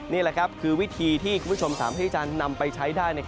นี่แหละครับคือวิธีที่คุณผู้ชมสามารถที่จะนำไปใช้ได้